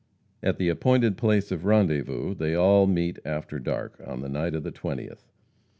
At the appointed place of rendezvous they all meet after dark, on the night of the twentieth.